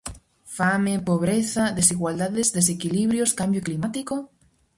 Fame, pobreza, desigualdades, desequilibrios, cambio climático...?